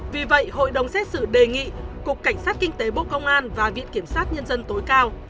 vì vậy hội đồng xét xử đề nghị cục cảnh sát kinh tế bộ công an và viện kiểm sát nhân dân tối cao